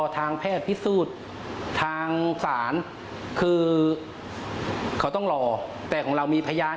ทางแพทย์พิสูจน์ทางศาลคือเขาต้องรอแต่ของเรามีพยาน